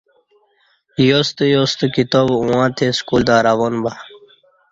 یوستہ یوستہ کتاب اوݣہ تہ سکول کہ روان بہ